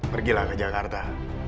pergilah ke jakarta